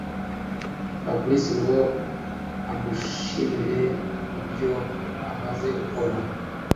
fabric ngo amushimire kubyo amaze gukora